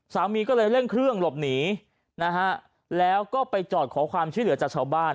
สามีก็เลยเร่งเครื่องหลบหนีนะฮะแล้วก็ไปจอดขอความช่วยเหลือจากชาวบ้าน